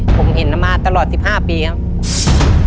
ผมเห็นมาตลอด๑๕ปีครับ